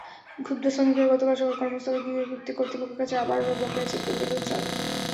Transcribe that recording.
ক্ষুব্ধ শ্রমিকেরা গতকাল সকালে কর্মস্থলে গিয়ে কর্তৃপক্ষের কাছে আবারও বকেয়া বেতন চান।